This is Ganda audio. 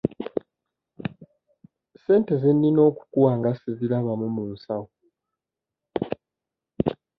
Ssente ze nnina okukuwa nga sizirabamu mu nsawo?